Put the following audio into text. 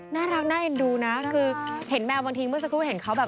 น่ารักน่าเอ็นดูนะคือเห็นแมวบางทีเมื่อสักครู่เห็นเขาแบบ